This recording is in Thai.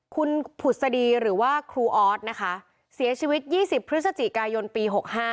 คุณผุดสดีหรือว่าครูออสนะคะเสียชีวิต๒๐พฤศจิกายนปี๖๕